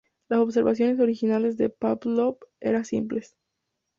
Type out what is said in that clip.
Las observaciones originales de Pávlov eran simples.